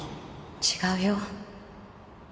違うよ。